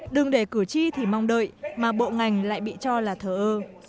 đừng để cử tri thì mong đợi mà bộ ngành lại bị cho là thờ ơ